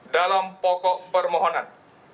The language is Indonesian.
dalam pokok permohonan